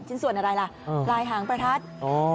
ชิ้นส่วนอะไรล่ะรายหางประทัศน์